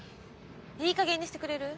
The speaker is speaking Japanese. いい加減にしてくれる？